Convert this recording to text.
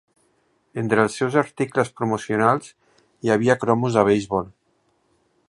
Entre els seus articles promocionals hi havia cromos de beisbol.